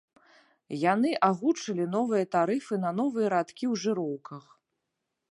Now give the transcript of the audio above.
Яны агучылі новыя тарыфы на новыя радкі ў жыроўках.